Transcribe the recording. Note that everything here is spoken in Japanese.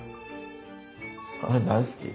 これ大好き。